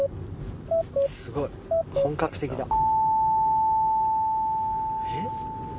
すごい本格的だえっ？